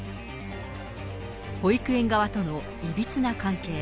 保育園側とのいびつな関係。